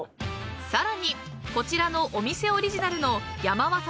［さらにこちらのお店オリジナルの］